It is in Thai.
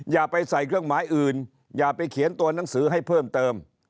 อย่าไปใส่เครื่องหมายอื่นอย่าไปเขียนตัวหนังสือให้เพิ่มเติม